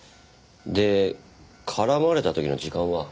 で絡まれた時の時間は？